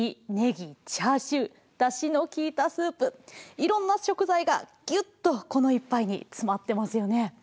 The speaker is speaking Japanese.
いろんな食材がギュッとこの一ぱいにつまってますよね。